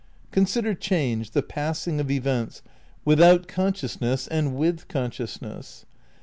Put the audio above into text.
Consider change, the passing of events, without con sciousness and with consciousness.